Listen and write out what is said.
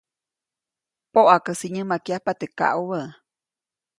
Poʼakäsi nyämakyajpa teʼ kaʼubä.